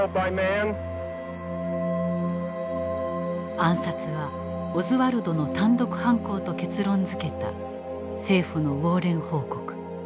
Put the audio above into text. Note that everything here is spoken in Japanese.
「暗殺はオズワルドの単独犯行」と結論づけた政府の「ウォーレン報告」。